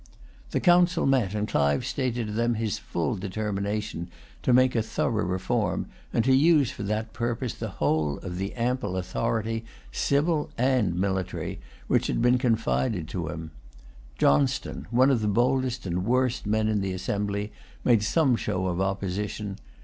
The Council met, and Clive stated to them his full determination to make a thorough reform, and to use for that purpose the whole of the ample authority, civil and military, which had been confided to him. Johnstone, one of the boldest and worst men in the assembly, made some show of opposition.